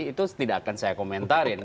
itu tidak akan saya komentarin